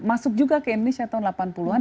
masuk juga ke indonesia tahun delapan puluh an